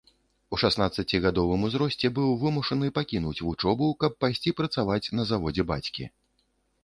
У шаснаццацігадовым узросце быў вымушаны пакінуць вучобу, каб пайсці працаваць на заводзе бацькі.